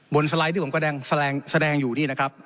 สไลด์ที่ผมก็แสดงอยู่นี่นะครับ